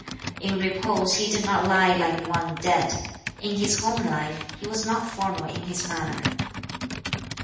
In repose he did not lie like one dead. In his home life he was not formal in his manner.